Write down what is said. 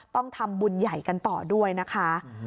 ต้องทำบุญใหญ่กันต่อด้วยนะคะ